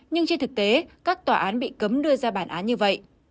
nhưng trên thực tế các tòa án bị cấm đưa ra bản án như vậy